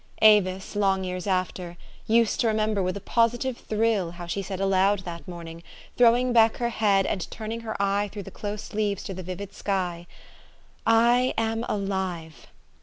Avis, long years after, used to remember with a positive thrill how she said aloud that morning, throwing back her head, and turning her eye through the close leaves to the vivid sky, " I am alive.